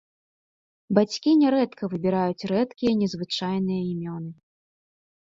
Бацькі нярэдка выбіраюць рэдкія і незвычайныя імёны.